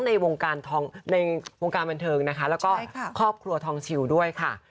ในวงการบันเทิงและก็ครอบครัวทองชิวด้วยค่ะ